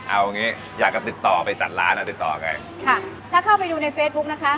เอางี้อยากจะติดต่อไปจัดร้านอ่ะติดต่อกันค่ะถ้าเข้าไปดูในเฟซบุ๊กนะคะ